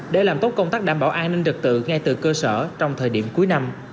để làm tốt công tác đảm bảo an ninh trật tự ngay từ cơ sở trong thời điểm cuối năm